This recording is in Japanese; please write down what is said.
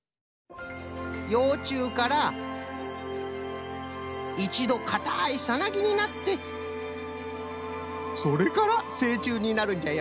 ようちゅうからいちどかたいサナギになってそれからせいちゅうになるんじゃよ。